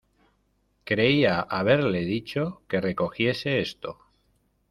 Creía haberle dicho que recogiese esto.